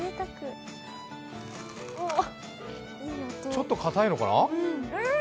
ちょっとかたいのかな。